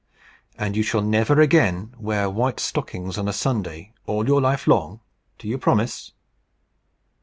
"And you shall never again wear white stockings on a Sunday, all your life long. Do you promise?"